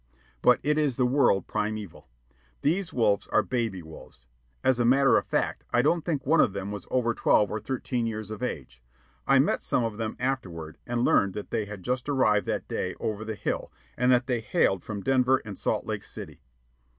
But it is the world primeval. These wolves are baby wolves. (As a matter of fact, I don't think one of them was over twelve or thirteen years of age. I met some of them afterward, and learned that they had just arrived that day over the hill, and that they hailed from Denver and Salt Lake City.)